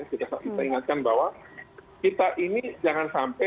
kita ingatkan bahwa kita ini jangan sampai